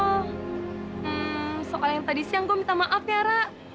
hmm soal yang tadi siang gue minta maaf ya ra